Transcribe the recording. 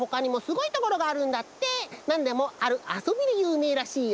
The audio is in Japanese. なんでもあるあそびでゆうめいらしいよ。